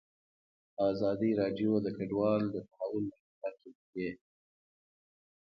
ازادي راډیو د کډوال د تحول لړۍ تعقیب کړې.